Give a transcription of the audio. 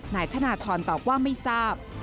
นายธนทรตอบว่าไม่ทราบ